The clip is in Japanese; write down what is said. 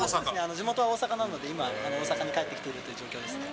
地元は大阪なので今、大阪に帰ってきているという状況ですね。